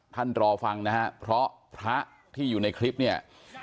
รอฟังนะฮะเพราะพระที่อยู่ในคลิปเนี่ย